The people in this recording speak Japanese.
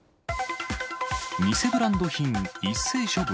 偽ブランド品、一斉処分。